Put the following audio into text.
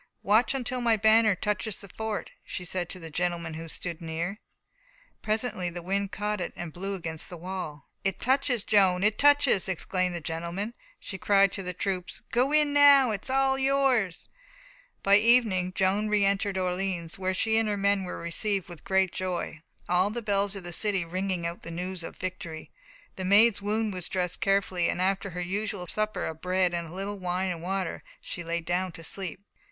"Watch until my banner touches the fort," she said to a gentleman who stood near. Presently the wind caught it and blew it against the wall. "It touches, Joan, it touches!" exclaimed the gentleman. She cried to the troops: "Go in now, all is yours!" By evening Joan reëntered Orleans, where she and her men were received with great joy, all the bells of the city ringing out the news of victory. The Maid's wound was dressed carefully, and after her usual supper of bread with a little wine and water, she lay down to sleep.